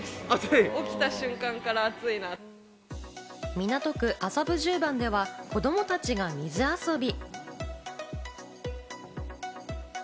港区麻布十番では子供達が水遊び。